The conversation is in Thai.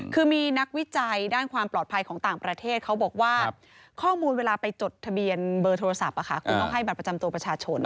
คือมีนักวิจัยด้านความปลอดภัยของต่างประเทศเขาบอกว่าข้อมูลเวลาไปจดทะเบียนเบอร์โทรศัพท์คุณต้องให้บัตรประจำตัวประชาชน